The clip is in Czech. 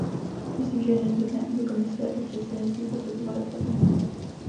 Myslím, že je nezbytné, aby Komise i předsednictví postupovaly opatrněji.